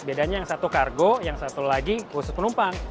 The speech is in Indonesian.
bedanya yang satu kargo yang satu lagi khusus penumpang